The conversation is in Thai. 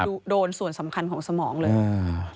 โดนส่วนสำคัญของสมองเลยอ่า